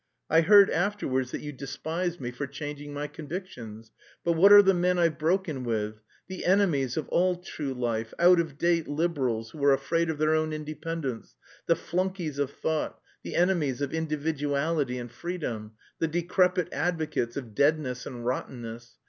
I heard afterwards that you despised me for changing my convictions. But what are the men I've broken with? The enemies of all true life, out of date Liberals who are afraid of their own independence, the flunkeys of thought, the enemies of individuality and freedom, the decrepit advocates of deadness and rottenness!